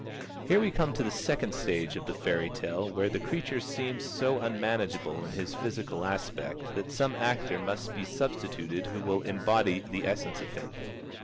Here we come to the second stage of the fairy tale where the creature seems so unmanageable in his physical aspect that some actor must be substituted who will embody the essence of him.